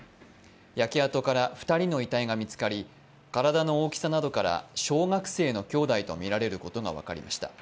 焼け跡から２人の遺体が見つかり、体の大きさなどから小学生の兄弟とみられることが分かりました。